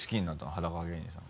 裸芸人さん。